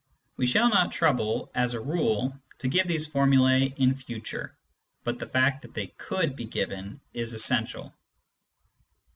We shall not trouble, as a rule, to give these formulae in future ; but the fact that they could be given is essential.